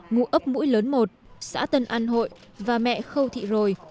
ngụ ấp mũi lớn một xã tân an hội và mẹ khâu thị rồi